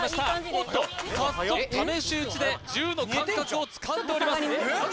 おっと早速試し撃ちで銃の感覚をつかんでおります